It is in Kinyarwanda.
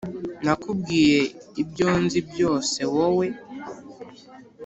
nakubwiye ibyo nzi byose wowe